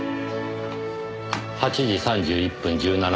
８時３１分１７秒。